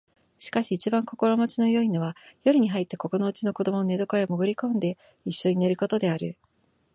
しかし一番心持ちの好いのは夜に入ってここのうちの子供の寝床へもぐり込んで一緒に寝る事である